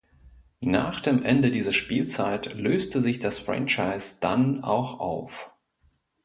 Nach dem Ende dieser Spielzeit löste sich das Franchise dann auch auf.